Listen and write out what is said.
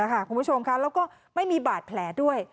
คุณผู้ชมค่ะแล้วก็ไม่มีบาดแผลด้วย